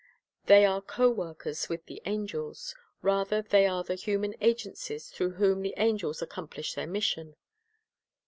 They are co workers with the angels; rather, they are the human agencies through whom the angels accomplish their mission.